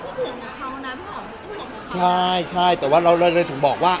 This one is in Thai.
ถ้าคุณต้องคุยกับพ่อมากมายใช่ใช่แต่ว่าเราเลยหนึ่งบอกว่า